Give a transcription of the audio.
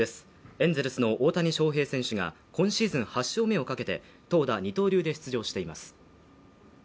エンゼルスの大谷翔平選手が今シーズン８勝目をかけて、投打二刀流で出場しています。